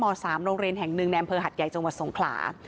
๓โรงเรียนแห่งหนึ่งในอำเภอหัดใหญ่จังหวัดสงขลา